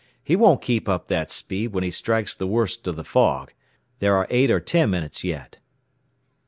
"He won't keep up that speed when he strikes the worst of the fog. There are eight or ten minutes yet."